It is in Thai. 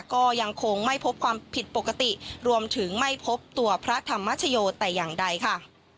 ก็ยังคงไม่พบความผิดปกติรวมถึงไม่พบตัวพระธรรมชโยแต่อย่างใดค่ะ